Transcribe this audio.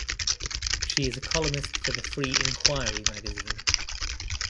She is a columnist for "Free Inquiry" magazine.